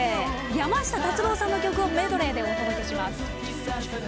山下達郎さんの曲をメドレーでお届けします。